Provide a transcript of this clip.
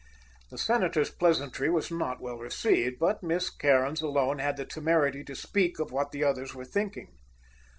The senator's pleasantry was not well received. But Miss Cairns alone had the temerity to speak of what the others were thinking.